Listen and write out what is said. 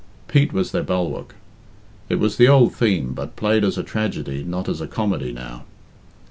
Pete was their bulwark. It was the old theme, but played as a tragedy, not as a comedy, now.